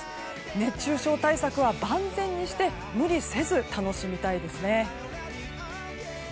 熱中症対策は万全にして無理せず楽しみたいですね。